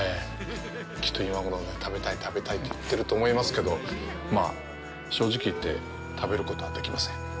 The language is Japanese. きっと今頃ね、食べたい、食べたいって言ってると思いますけど、まあ正直言って食べることはできません。